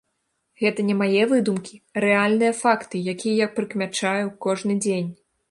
Гэта не мае выдумкі, а рэальныя факты, якія я прыкмячаю кожны дзень.